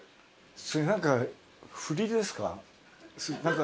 それ何か振りですか？